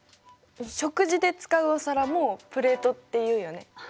食事で使うお皿もプレートって言うよね。